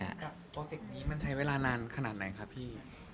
กับโปรเจคนี้มันใช้เวลานานขนาดไหนครับพี่